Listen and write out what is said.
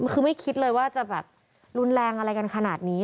คือไม่คิดเลยว่าจะแบบรุนแรงอะไรกันขนาดนี้